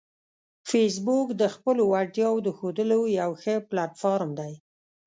فېسبوک د خپلو وړتیاوو د ښودلو یو ښه پلیټ فارم دی